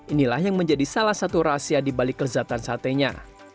inilah yang menjadi salah satu rahasia dibalik lezatan satenya